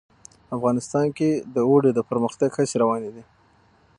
افغانستان کې د اوړي د پرمختګ هڅې روانې دي.